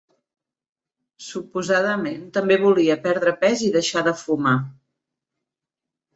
Suposadament també volia perdre pes i deixar de fumar.